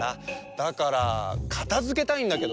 だからかたづけたいんだけど。